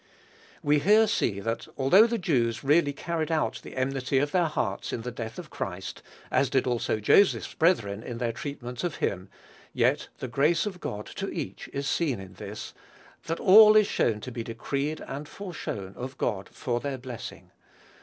We here see that, although the Jews really carried out the enmity of their hearts in the death of Christ, as did also Joseph's brethren in their treatment of him, yet, the grace of God to each is seen in this, that all is shown to be decreed and foreshown of God for their blessing.